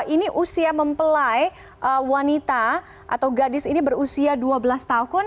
ini usia mempelai wanita atau gadis ini berusia dua belas tahun